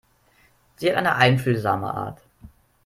Sie hat eine einfühlsame Art.